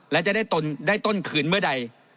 และจะได้ต้นคืนเมื่อใด